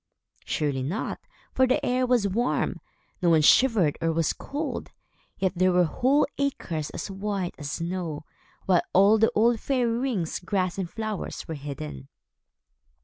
Surely not, for the air was warm. No one shivered, or was cold. Yet there were whole acres as white as snow, while all the old fairy rings, grass and flowers were hidden.